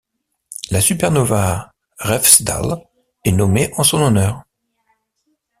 La supernova Refsdal est nommée en son honneur.